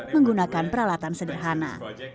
menggunakan peralatan sederhana